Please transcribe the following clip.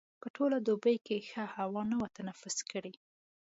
په ټوله دوبي کې ښه هوا نه وه تنفس کړې.